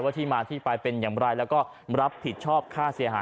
ที่มาที่ไปเป็นอย่างไรแล้วก็รับผิดชอบค่าเสียหาย